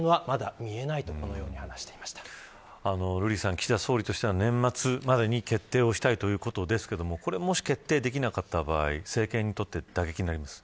岸田総理としては年末までに決定したいということですがもし決定できなかった場合政権にとって打撃になりますか。